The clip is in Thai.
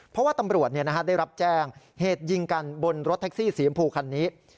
เพราะว่าตำรวจได้รับแจ้งเหตุยิงกันบนรถแท็กซี่สีชมพูคันนี้